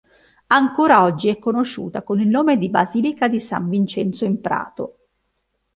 Ancora oggi è conosciuta con il nome di "basilica di San Vincenzo in Prato".